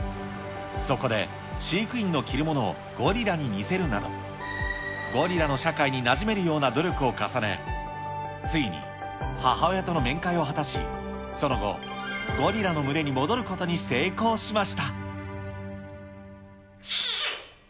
そこで、飼育員の着るものをゴリラに似せるなど、ゴリラの社会になじめるような努力を重ね、ついに母親との面会を果たし、その後、ゴリラの群れに戻ることに成功しました。